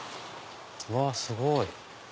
うわすごい。